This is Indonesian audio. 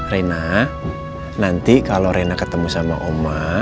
reina nanti kalau reina ketemu sama oma